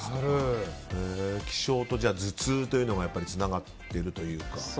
気象と頭痛というのがつながっているというか。